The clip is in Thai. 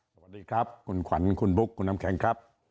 สวัสดีครับคุณขวัญคุณบุ๊คคุณน้ำแข็งครับ